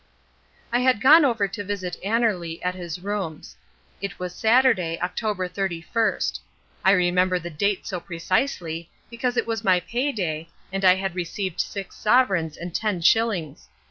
I had gone over to visit Annerly at his rooms. It was Saturday, October 31. I remember the date so precisely because it was my pay day, and I had received six sovereigns and ten shillings.